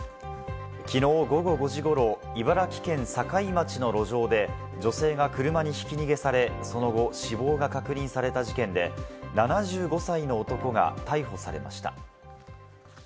きのう午後５時ごろ、茨城県境町の路上で女性が車にひき逃げされ、その後、死亡が確認された事件で、７５歳の男が逮捕されました。